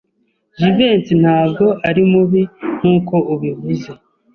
Jivency ntabwo ari mubi nkuko ubivuze.